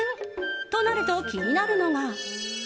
となると、気になるのが。